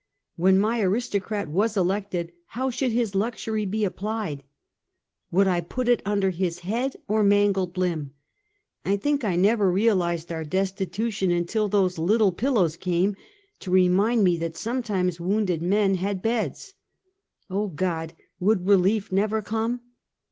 When my aristocrat was elected, how should his luxury be applied? Would I put it under his head or mangled limb ? I think I never realized our destitu tion until those little pillows came to remind me that sometimes wounded men had beds! Oh, God! would relief never come?